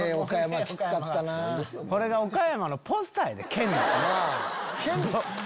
これが岡山のポスターやで県の。